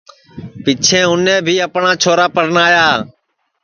پیچھیں اُنے بھی اپٹؔا چھورا پرنایا